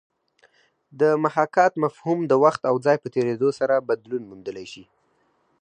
د محاکات مفهوم د وخت او ځای په تېرېدو سره بدلون موندلی دی